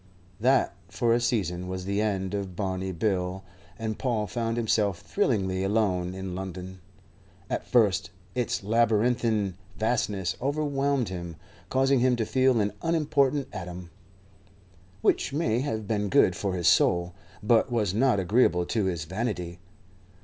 That, for a season, was the end of Barney Bill, and Paul found himself thrillingly alone in London. At first its labyrinthine vastness overwhelmed him, causing him to feel an unimportant atom, which may have been good for his soul, but was not agreeable to his vanity.